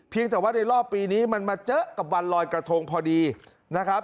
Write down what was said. แต่ว่าในรอบปีนี้มันมาเจอกับวันลอยกระทงพอดีนะครับ